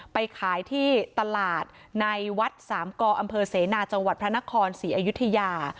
ไปขายที่ตลาดในวัดสามกอำเภอเสนาจังหวัดพระนครศรีอยุธยา